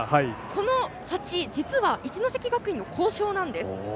このはち、実は一関学院の校章なんです。